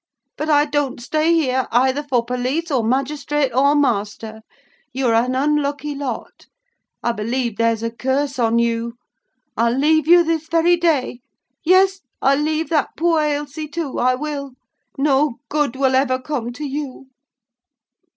But I don't stay here, either for police, or magistrate, or master. You're an unlucky lot. I believe there's a curse on you. I'll leave you this very day. Yes! I leave that poor Ailsie, too. I will! No good will ever come to you!"